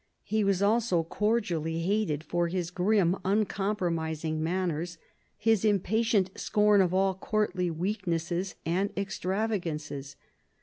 He was also cordially hated for his grim, uncompromising manners, his impatient scorn of all courtly weaknesses and extravagances.